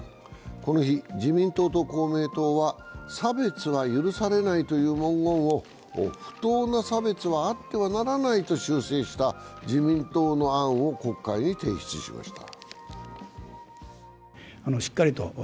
この日、自民党と公明党は「差別は許されない」という文言を「不当な差別はあってはならない」と修正した自民党の案を国会に提出しました。